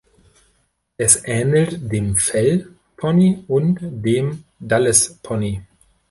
Es ähnelt dem Fell Pony und dem Dales-Pony.